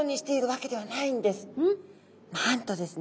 なんとですね